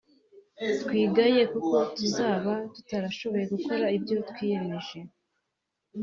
twigaye kuko tuzaba tutarashoboye gukora ibyo twiyemeje